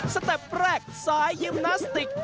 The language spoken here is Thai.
เต็ปแรกสายยิมนาสติก